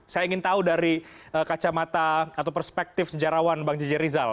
saya ingin tahu dari kacamata atau perspektif sejarawan bang jj rizal